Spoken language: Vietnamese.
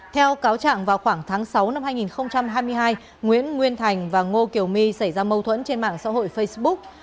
theo cáo trạng vào khoảng tháng sáu năm hai nghìn hai mươi hai nguyễn nguyên thành và ngô kiều my xảy ra mâu thuẫn trên mạng xã hội facebook